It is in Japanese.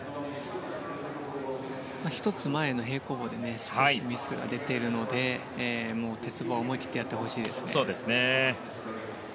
１つ前の平行棒で少しミスが出ているので鉄棒は思い切ってやってほしいですね。